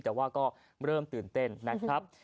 แต่ว่าก็เริ่มตื่นเต้นนะครับ